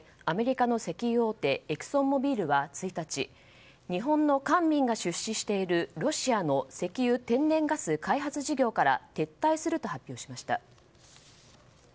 アメリカの石油大手エクソンモービルは１日日本の官民が出資しているロシアの石油・天然ガス開発事業から撤退すると発表しました。